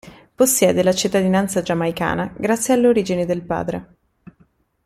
Possiede la cittadinanza giamaicana, grazie alle origini del padre.